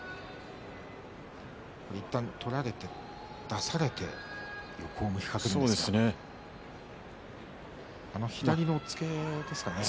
いったん取られて出されて横を向かされてあの左の押っつけですかね。